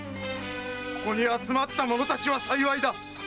ここに集まった者たちは幸いだ！